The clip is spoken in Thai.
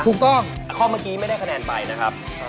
ถูกต้องข้อเมื่อกี้ไม่ได้คะแนนไปนะครับ